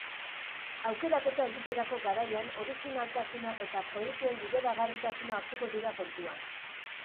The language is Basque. Aukeraketa egiterako garaian originaltasuna eta proiektuen bideragarritasuna hartuko dira kontuan.